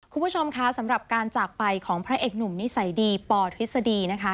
คุณผู้ชมคะสำหรับการจากไปของพระเอกหนุ่มนิสัยดีปอทฤษฎีนะคะ